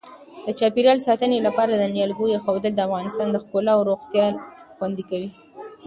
د چاپیریال ساتنې لپاره د نیالګیو اېښودل د افغانستان ښکلا او روغتیا خوندي کوي.